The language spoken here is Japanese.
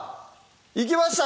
いきましたね！